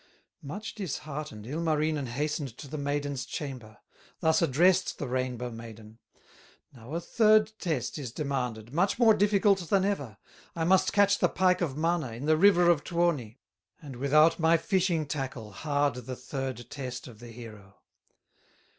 Much disheartened, Ilmarinen Hastened to the maiden's chamber, Thus addressed the rainbow maiden: "Now a third test is demanded, Much more difficult than ever; I must catch the pike of Mana, In the river of Tuoni, And without my fishing tackle, Hard the third test of the hero!"